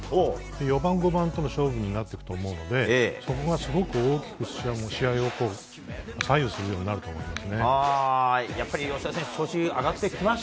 ４番、５番との勝負になってくると思うのでそこがすごく大きく試合を左右するようになると思います。